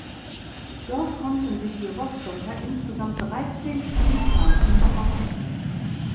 Dort konnten sich die Rostocker insgesamt dreizehn Spielzeiten behaupten.